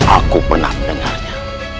aku pernah dengarnya